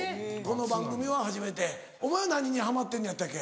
この番組は初めてお前は何にハマってんのやったっけ？